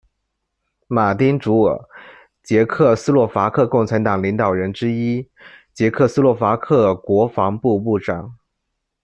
马丁·祖尔，捷克斯洛伐克共产党领导人之一，捷克斯洛伐克国防部部长。